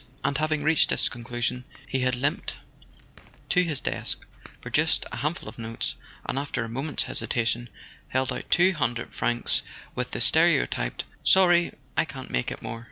And, having reached this conclusion, he had limped to his desk, produced a handful of notes, and after a moment's hesitation held out two hundred francs with the stereotyped: "Sorry I can't make it more.